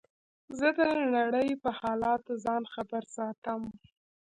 زه د نړۍ په حالاتو ځان خبر ساتم.